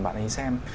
bạn ấy xem